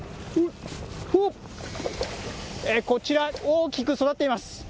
こちら、大きく育っています。